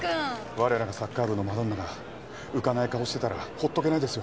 われらがサッカー部のマドンナが浮かない顔してたら放っとけないですよ。